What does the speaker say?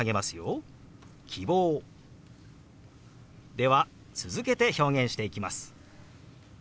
では続けて表現していきます。